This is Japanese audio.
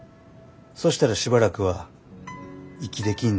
そしたらしばらくは息できんねん。